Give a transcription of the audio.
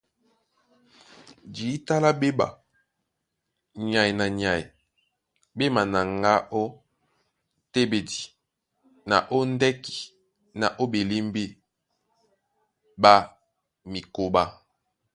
Jǐta lá ɓéma, nyay na nyay ɓé manaŋgá ó téɓedi na ó ndɛ́ki na ó ɓelímbí ɓá mikóɓá.